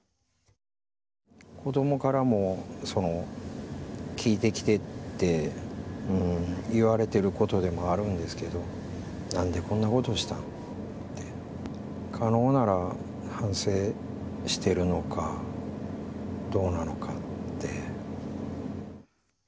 子どもからも聞いてきてって言われてることでもあるんですけど、なんでこんなことしたんって、可能なら反省してるのかどうなのかって。